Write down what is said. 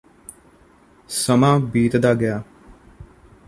ਸਮਾਂ ਬੀਤਦਾ ਗਿਆ